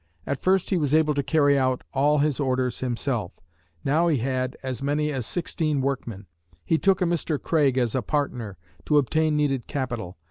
At first he was able to carry out all his orders himself; now he had as many as sixteen workmen. He took a Mr. Craig as a partner, to obtain needed capital.